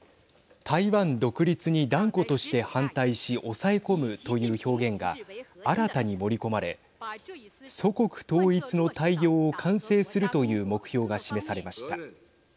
台湾独立に断固として反対し抑え込むという表現が新たに盛り込まれ祖国統一の大業を完成するという目標が示されました。